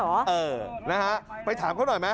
เออนะฮะไปถามเขาหน่อยไหม